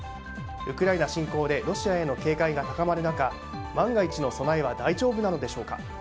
ウクライナ侵攻でロシアへの警戒が高まる中万が一の備えは大丈夫なのでしょうか。